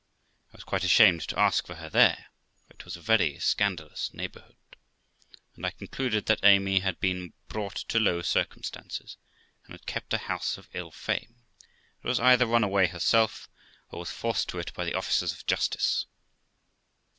I was quite ashamed to ask for her there, for it was a very scandalous neighbourhood, and I concluded that Amy had been brought to low circumstances, and had kept a house of ill fame, and was either run away herself, or was forced to it by the officers of justice.